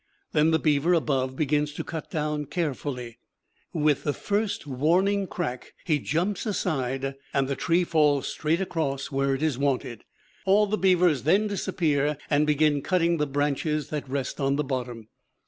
Then the beaver above begins to cut down carefully. With the first warning crack he jumps aside, and the tree falls straight across where it is wanted. All the beavers then disappear and begin cutting the branches that rest on the bottom.